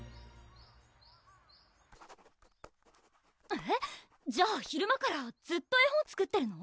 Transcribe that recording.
えっじゃあ昼間からずっと絵本作ってるの？